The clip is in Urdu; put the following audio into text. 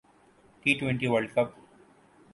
ٹی ٹوئنٹی ورلڈ ک